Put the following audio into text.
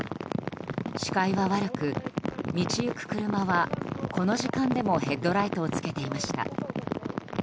視界は悪く、道行く車はこの時間でもヘッドライトをつけていました。